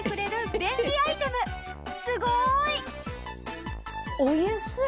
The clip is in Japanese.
すごーい！